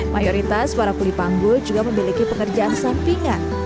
mayoritas para kulipanggul juga memiliki pekerjaan sampingan